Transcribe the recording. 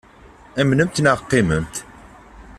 Amnemt neɣ qimemt.